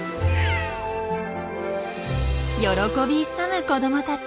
喜び勇む子どもたち。